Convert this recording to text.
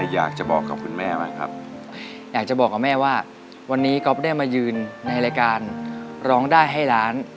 อยากจะบอกกับแม่ว่าวันนี้ก๊อปได้มายืนในรายการร้องได้ให้ล้าน